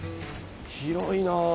広いなあ。